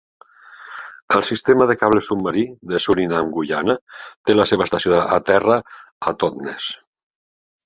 El Sistema de cable submarí de Surinam-Guyana té la seva estació a terra a Totness.